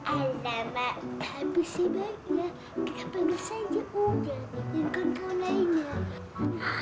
alamak tapi si banyak kita panggil saja udah dikontrol lainnya